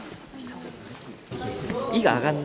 「い」が上がんない。